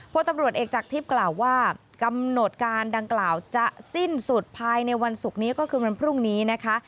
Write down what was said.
พลตำรวจเอกจากทิพย์กล่าวว่ากำหนดการดังกล่าวจะสิ้นสุดภายในวันศุกร์นี้ก็คือวันพรุ่งนี้นะคะ